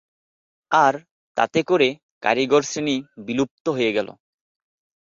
আর তাতে করে কারিগর শ্রেণি বিলুপ্ত হয়ে গেল।